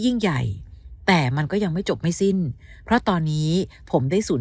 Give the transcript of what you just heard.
ยิ่งใหญ่แต่มันก็ยังไม่จบไม่สิ้นเพราะตอนนี้ผมได้ศูนย์